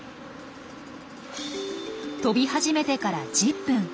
飛び始めてから１０分。